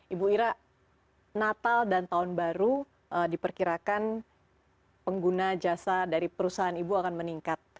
ibu ira natal dan tahun baru diperkirakan pengguna jasa dari perusahaan ibu akan meningkat